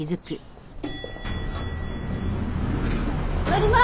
乗ります！